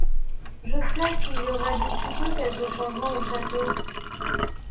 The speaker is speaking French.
Je flaire qu'il y aura d'ici peu quelque changement au Château.